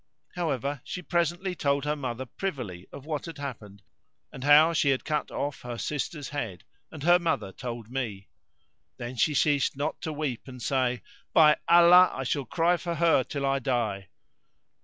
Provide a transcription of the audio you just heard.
However, she presently told her mother privily of what had happened and how she had cut off her sister's head and her mother told me. Then she ceased not to weep and say, 'By Allah! I shall cry for her till I die.'